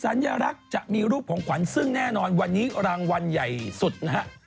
สัญลักษณ์จะมีรูปของขวัญซึ่งแน่นอนวันนี้รางวัลใหญ่สุดนะฮะ